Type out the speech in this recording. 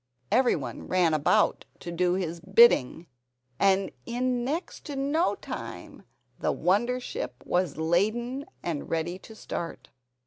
Every one ran about to do his bidding; and in next to no time the wonder ship was laden and ready to start.